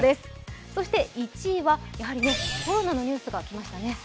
そして１位はコロナのニュースが来ましたね。